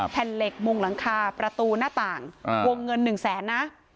แผ่นเหล็กมุงหลังคาประตูหน้าต่างวงเงิน๑แสนนะ